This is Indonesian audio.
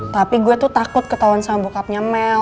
tapi gue tuh takut ketauan sama bokapnya mel